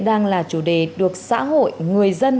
đang là chủ đề được xã hội người dân